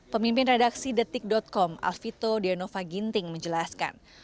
pemimpin redaksi detik com alfito dianova ginting menjelaskan